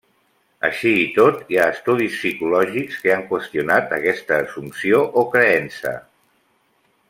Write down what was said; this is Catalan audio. Així i tot, hi ha estudis psicològics que han qüestionat aquesta assumpció o creença.